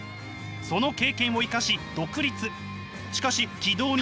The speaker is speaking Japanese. その経験を生かし独立。